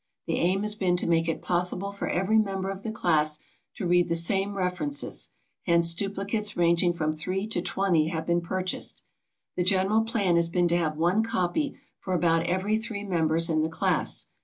The aim has been to make it possible for every member of the class to read the same references, hence duplicates ranging from three to twenty have been purchased. The general plan has been to have one copy for about every three members in the class.